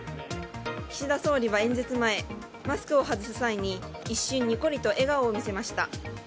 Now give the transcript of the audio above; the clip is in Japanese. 岸田総理は演説前マスクを外す際に一瞬ニコリと笑顔を見せました。